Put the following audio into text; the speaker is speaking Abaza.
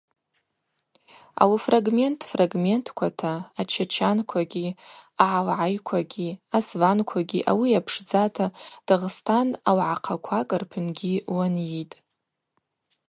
Ауи фрагмент-фрагментквата ачачанквагьи, агӏалгӏайквагьи, асванквагьи ауи йапшдзата Дагъстан аугӏахъаквакӏ рпынгьи уанйитӏ.